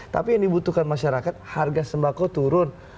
tapi yang dibutuhkan masyarakat harga sembako turun